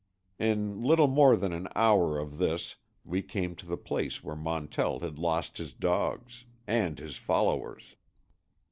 In little more than an hour of this we came to the place where Montell had lost his dogs—and his followers.